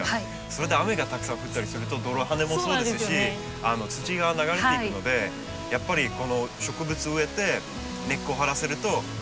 それで雨がたくさん降ったりすると泥はねもそうですし土が流れていくのでやっぱりこの植物植えて根っこを張らせると草も生えてこないですよね。